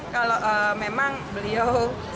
kalau memang beliau seorang